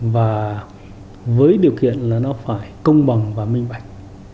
và với điều kiện là nó phải công bằng và minh bạch